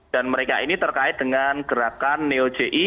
dan mereka ini terkait dengan gerakan neo ji